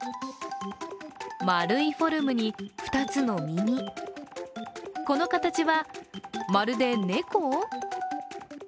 丸いフォルムに２つの耳、この形は、まるで猫？